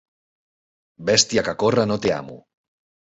Bèstia que corre no té amo.